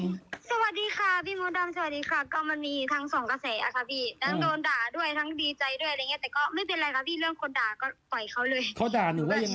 สวัสดีค่ะพี่โมรดำสวัสดีค่ะ